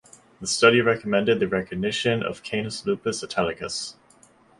The study recommended the recognition of "Canis lupus italicus".